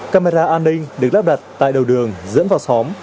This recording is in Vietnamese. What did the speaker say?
camera an ninh được lắp đặt tại đầu đường dẫn vào xóm